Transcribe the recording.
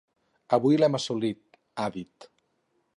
Avui l’hem assolit, ha dit.